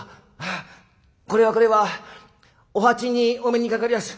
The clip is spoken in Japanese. あっこれはこれはお鉢にお目にかかりやす」。